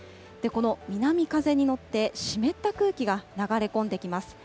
この南風に乗って湿った空気が流れ込んできます。